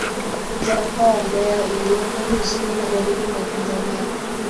Za mkoa wa Mbeya iliyopo kusini magharibi mwa Tanzania